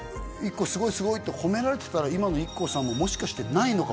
すごいすごいって褒められてたら今のＩＫＫＯさんももしかしてないのかもしれないですよ